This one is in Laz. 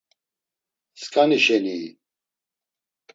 Skani şenii?